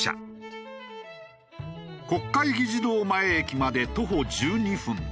国会議事堂前駅まで徒歩１２分。